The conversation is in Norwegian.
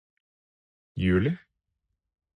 Juli